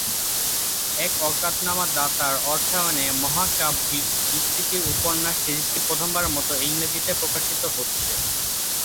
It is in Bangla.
এক অজ্ঞাতনামা দাতার অর্থায়নে মহাকাব্যিক বিস্তৃতির উপন্যাস সিরিজটি প্রথমবারের মতো ইংরেজিতে প্রকাশিত হচ্ছে।